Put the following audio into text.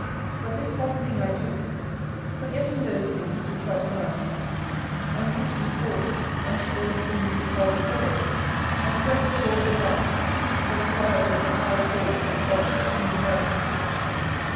But this one tiling I do ; forgetting those things which are behind, and reaching forth unto those things which are before, I press toward the mark for the prize of the high calling of God in Christ Jesus."